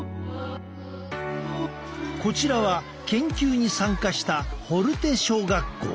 こちらは研究に参加したホルテ小学校。